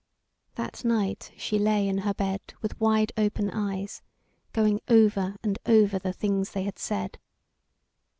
That night she lay in her bed with wide open eyes, going over and over the things they had said.